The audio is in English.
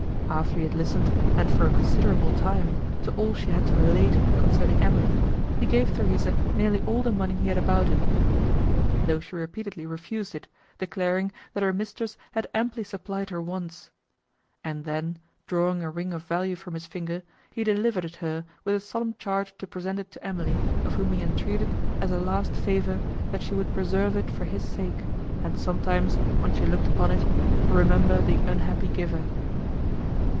After he had listened, and for a considerable time, to all she had to relate, concerning Emily, he gave Theresa nearly all the money he had about him, though she repeatedly refused it, declaring, that her mistress had amply supplied her wants; and then, drawing a ring of value from his finger, he delivered it her with a solemn charge to present it to Emily, of whom he entreated, as a last favour, that she would preserve it for his sake, and sometimes, when she looked upon it, remember the unhappy giver.